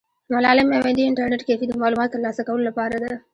ملالۍ میوندي انټرنیټ کیفې د معلوماتو ترلاسه کولو لپاره ده.